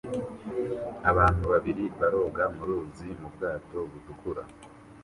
Abantu babiri baroga mu ruzi mu bwato butukura